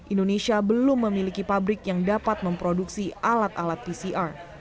indonesia belum memiliki pabrik yang dapat memproduksi alat alat pcr